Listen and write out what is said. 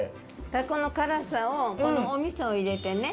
大根の辛さをこのおみそを入れてね